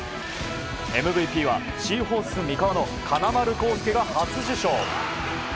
ＭＶＰは、シーホース三河の金丸晃輔が初受賞。